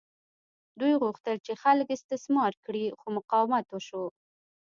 دوی غوښتل چې خلک استثمار کړي خو مقاومت وشو.